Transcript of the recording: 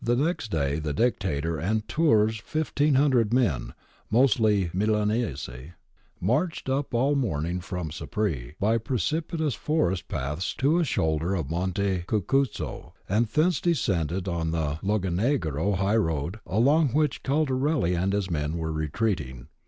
Next day the Dictator and Turr's 1500 men, mostly Milanese, marched up all morning from Sapri by pre cipitous forest paths to a shoulder of Monte Cucuzzo, and thence descended on the Lagonegro high road, along which Caldarelli and his men were retreating.